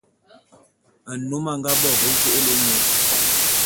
Nnôm a nga bo ve vô'ôlô nye.